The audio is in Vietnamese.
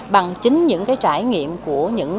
bằng chính những cái trải nghiệm của những